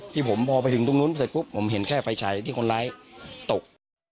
ที่ผมพอไปถึงตรงนู้นเสร็จปุ๊บผมเห็นแค่ไฟฉายที่คนร้ายตก